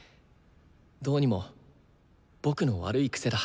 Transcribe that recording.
どうにも僕の悪い癖だ。